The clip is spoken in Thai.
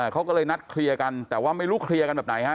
เขาก็เลยนัดเคลียร์กันแต่ว่าไม่รู้เคลียร์กันแบบไหนฮะ